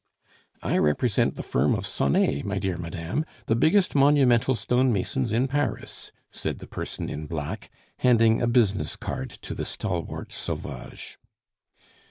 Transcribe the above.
"I represent the firm of Sonet, my dear madame, the biggest monumental stone masons in Paris," said the person in black, handing a business card to the stalwart Sauvage.